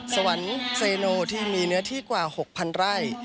สวรรค์เซโนที่มีเนื้อที่กว่า๖๐๐ไร่